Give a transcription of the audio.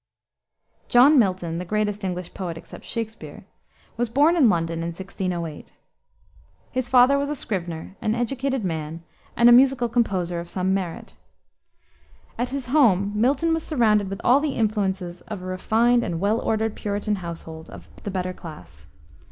John Milton, the greatest English poet except Shakspere, was born in London in 1608. His father was a scrivener, an educated man, and a musical composer of some merit. At his home Milton was surrounded with all the influences of a refined and well ordered Puritan household of the better class.